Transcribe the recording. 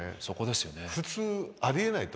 普通ありえないと思う。